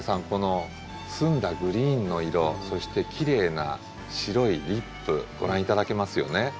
この澄んだグリーンの色そしてきれいな白いリップご覧頂けますよね。